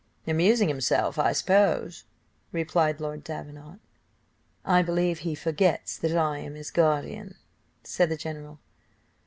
"Amusing himself, I suppose," replied Lord Davenant. "I believe he forgets that I am his guardian," said the general.